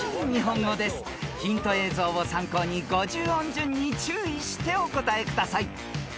［ヒント映像を参考に５０音順に注意してお答えください］